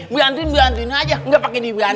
biantuin biantuin aja